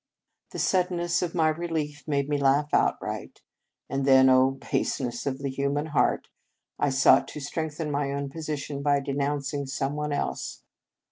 The suddenness of my relief made me laugh outright, and then, Oh, baseness of the human heart! I sought to strengthen my own position by denouncing some one else.